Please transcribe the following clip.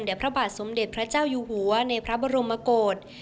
และพระบาทสมเด็จพระเจ้าอยู่หัวในพระบรมโกศ